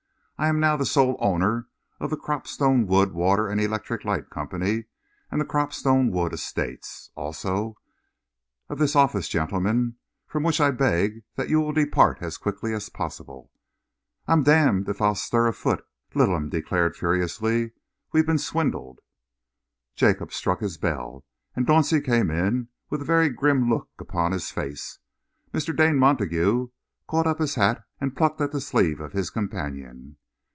I am now the sole owner of the Cropstone Wood, Water and Electric Light Company and the Cropstone Wood Estates. Also of this office, gentlemen, from which I beg that you will depart as quickly as possible." "I'm damned if I stir a foot!" Littleham declared furiously. "We've been swindled!" Jacob struck his bell, and Dauncey came in with a very grim look upon his face. Mr. Dane Montague caught up his hat and plucked at the sleeve of his companion.